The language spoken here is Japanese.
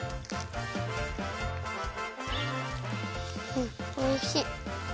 うんおいしい。